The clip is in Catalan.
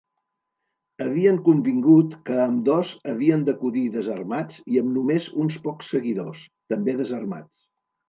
Havien convingut que ambdós havien d'acudir desarmats i amb només uns pocs seguidors, també desarmats.